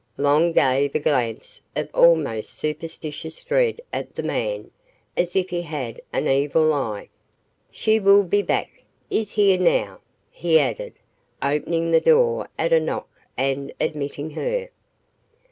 Long gave a glance of almost superstitious dread at the man, as if he had an evil eye. "She will be back is here now," he added, opening the door at a knock and admitting her.